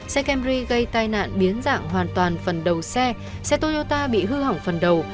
xe camry gây tai nạn biến dạng hoàn toàn phần đầu xe xe toyota bị hư hỏng phần đầu